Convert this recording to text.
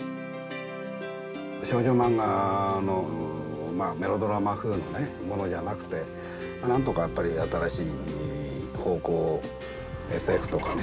少女漫画のメロドラマ風のものじゃなくて何とかやっぱり新しい方向ＳＦとかね